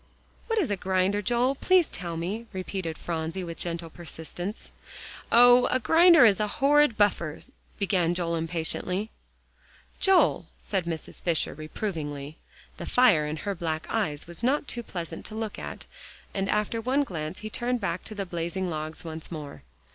"What is a grinder, Joel, please tell me," repeated Phronsie with gentle persistence. "Oh! a grinder is a horrid buffer," began Joel impatiently. "Joel," said Mrs. Fisher, reprovingly. The fire in her black eyes was not pleasant to look at, and after one glance, he turned back to the blazing logs once more.